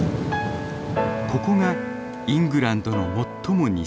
ここがイングランドの最も西。